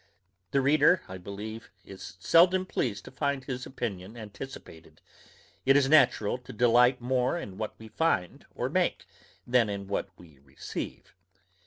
The reader, I believe, is seldom pleased to find his opinion anticipated; it is natural to delight more in what we find or make, than in what we receive.